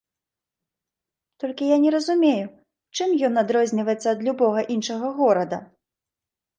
Толькі я не разумею, чым ён адрозніваецца ад любога іншага горада?